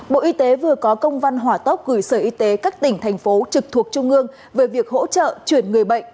bộ y tế vừa có công văn hỏa tốc gửi sở y tế các tỉnh thành phố trực thuộc trung ương về việc hỗ trợ chuyển người bệnh